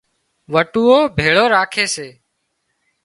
وٽُوئو ڀيۯو راکي سي